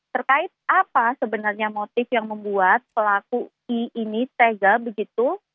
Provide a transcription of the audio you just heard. terkait apa sebenarnya motif yang membuat pelaku i ini tega begitu